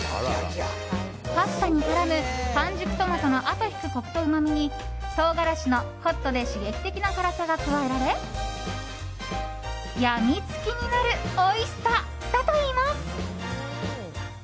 パスタに絡む、完熟トマトのあと引くコクとうまみに唐辛子のホットで刺激的な辛さが加えられやみつきになるおいしさだといいます。